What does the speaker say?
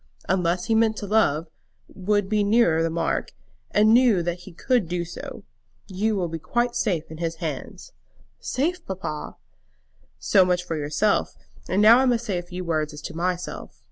"Unless he meant to love, would be nearer the mark; and knew that he could do so. You will be quite safe in his hands." "Safe, papa!" "So much for yourself; and now I must say a few words as to myself.